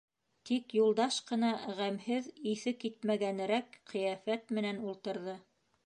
Тик Юлдаш ҡына ғәмһеҙ, иҫе китмә-гәнерәк ҡиәфәт менән ултырҙы.